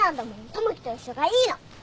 友樹と一緒がいいの。